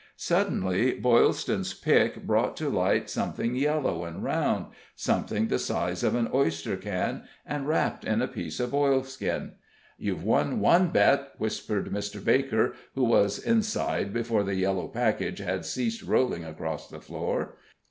Suddenly Boylston's pick brought to light something yellow and round something the size of an oyster can, and wrapped in a piece of oilskin. "You've won one, bet," whispered Mr. Baker, who was inside before the yellow package had ceased rolling across the floor.